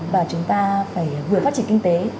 và chúng ta phải vừa phát triển kinh tế